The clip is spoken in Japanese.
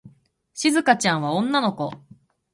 しずかちゃんは女の子。